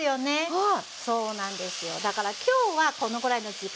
はい。